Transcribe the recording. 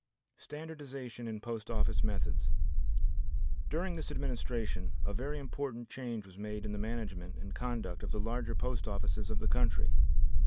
Standardization in Post Office Methods During this administration a very important change was made in the management and conduct of the larger post offices of the country.